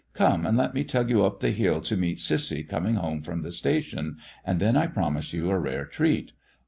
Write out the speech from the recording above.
Come, and let me tug you up the hill to meet Cissy coming home from the station, and then I promise you a rare treat."